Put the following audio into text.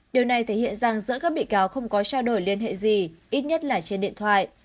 điều này thể hiện rằng giữa các bị cáo không có trao đổi liên hệ gì ít nhất là trên điện thoại